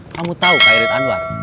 kamu tau kak irit anwar